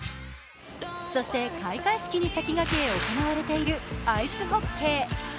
そして開会式に先駆け行われているアイスホッケー。